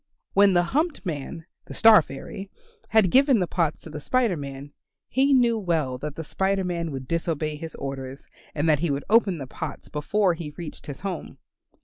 When the humped man, the Star fairy, had given the pots to the Spider Man, he knew well that the Spider Man would disobey his orders and that he would open the pots before he reached his home.